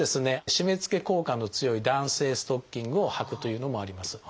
締めつけ効果の強い弾性ストッキングをはくというのもあります。